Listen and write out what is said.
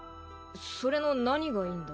それの何がいいんだ？